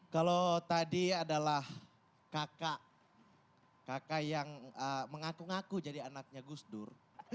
kalau tadi adalah kakak yang mengaku ngaku jadi anaknya gus dur